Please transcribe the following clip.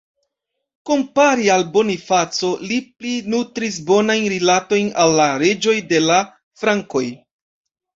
Kompare al Bonifaco, li pli nutris bonajn rilatojn al la reĝoj de la frankoj.